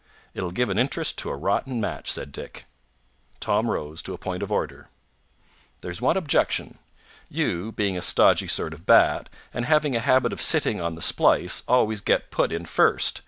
"It'll give an interest to a rotten match," said Dick. Tom rose to a point of order. "There's one objection. You, being a stodgy sort of bat, and having a habit of sitting on the splice, always get put in first.